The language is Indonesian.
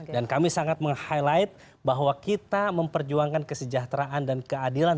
dan kami sangat meng highlight bahwa kita memperjuangkan kesejahteraan dan keadilan